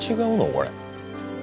これ。